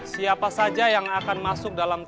siapa saja yang akan masuk dalam tim inti